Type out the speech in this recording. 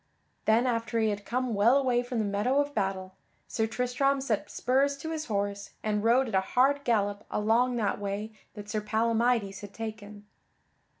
Then after he had come well away from the meadow of battle, Sir Tristram set spurs to his horse and rode at a hard gallop along that way that Sir Palamydes had taken.